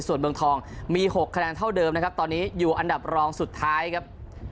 ส่วนเมืองทองมี๖คะแนนเท่าเดิมนะครับตอนนี้อยู่อันดับรองสุดท้ายครับ